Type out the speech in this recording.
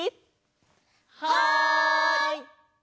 はい！